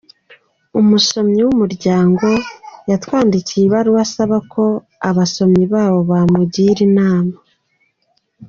Umusomyi w’ Umuryango yatwandiye ibaruwa asaba ko abasomyi bawo bamugira inama.